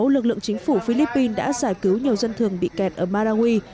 lực lượng chính phủ philippines đã giải cứu nhiều dân thường bị kẹt ở madawui